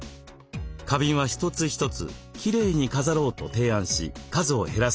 花瓶は一つ一つ「きれいに飾ろう」と提案し数を減らすこと。